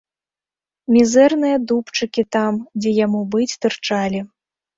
Мізэрныя дубчыкі там, дзе яму быць, тырчалі.